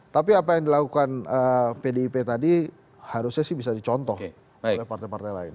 tapi apa yang dilakukan pdip tadi harusnya sih bisa dicontoh oleh partai partai lain